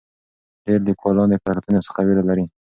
ډېر لیکوالان د کره کتنې څخه ویره لري.